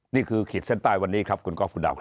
นี่คือขิตเซ็นต์ใต้วันนี้คุณก๊อฟคุณดาว